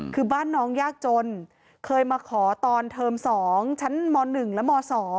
คือบ้านน้องยากจนเคยมาขอตอนเทอม๒ชั้นม๑และม๒